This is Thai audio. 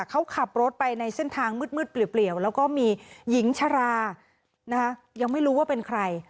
เขาขับรถไปในเส้นทางมืดเปลี่ยวแล้วก็มีหญิงชรายังไม่รู้ว่าเป็นใคร